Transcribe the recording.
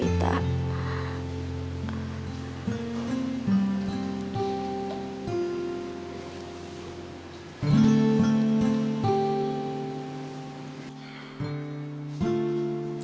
pribadi perarahan yang imeres hiromi